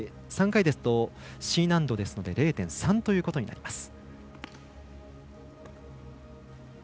３回ですとＣ難度ですので０．３ということになります。